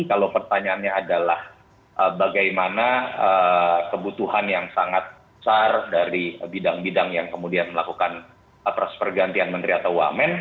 kalau pertanyaannya adalah bagaimana kebutuhan yang sangat besar dari bidang bidang yang kemudian melakukan pergantian menteri atau wamen